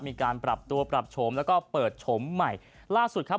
มีการปรับตัวปรับโฉมแล้วก็เปิดโฉมใหม่ล่าสุดครับ